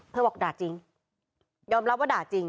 บอกด่าจริงยอมรับว่าด่าจริง